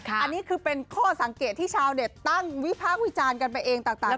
อันนี้คือเป็นข้อสังเกตที่ชาวเน็ตตั้งวิพากษ์วิจารณ์กันไปเองต่าง